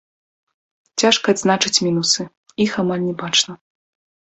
Цяжка адзначыць мінусы, іх амаль не бачна.